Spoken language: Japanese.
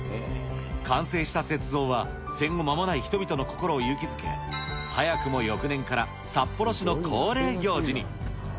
完成した雪像は、戦後まもない人々の心を引き付け、早くも翌年から札幌市の恒例行事に。